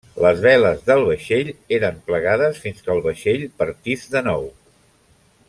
Les veles del vaixell eren plegades fins que el vaixell partís de nou.